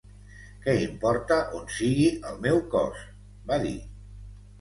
"Què importa on sigui el meu cos?", va dir.